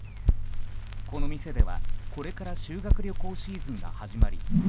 この店では、これから修学旅行シーズンが始まり